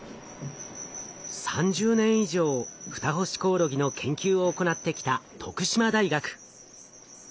３０年以上フタホシコオロギの研究を行ってきた徳島大学。